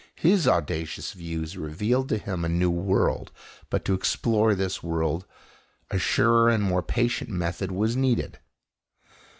His audacious views revealed to him a new world, but to explore this world a surer and more patient method was needed.